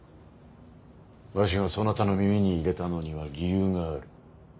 わしがそなたの耳に入れたのには理由がある。